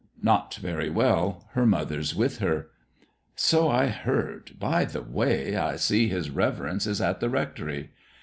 "Not very well her mother's with her." "So I heard. By the way, I see his reverence is at the rectory."